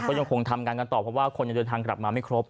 ก็ยังคงทำงานกันต่อเพราะว่าคนยังเดินทางกลับมาไม่ครบ